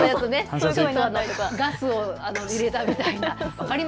ガスを入れた？みたいな。